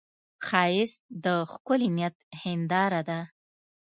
ښایست د ښکلي نیت هنداره ده